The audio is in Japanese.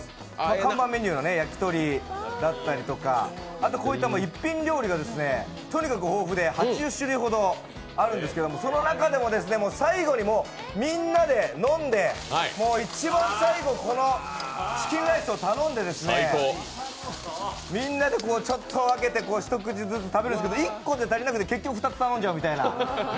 看板メニューの焼き鳥だったりとか、こういった一品料理がとにかく豊富で８０種類ほどあるんですけどその中でも最後にみんなで飲んで、一番最後、このチキンライスを頼んでみんなでちょっと分けて一口ずつ食べるんですけど、１個で足りなくて結局２つ頼んじゃうみたいな。